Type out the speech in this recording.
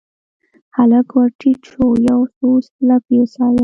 هلک ورټیټ شو یو، څو لپې سایه